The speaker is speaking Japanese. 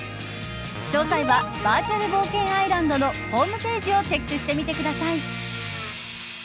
詳細はバーチャル冒険アイランドのホームページをチェックしてみてください。